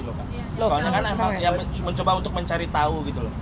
karena kan mencoba untuk mencari tahu gitu loh